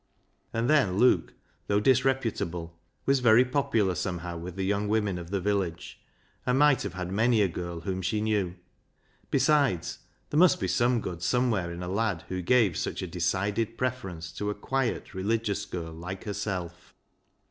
And then Luke, though disreputable, was very popular somehow with the young women of the village, and might have had many a girl whom she knew. Besides, there must be some good somewhere in a lad who gave such a decided preference to a quiet, religious girl like herself.